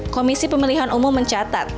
komisi pemilihan umum mencatat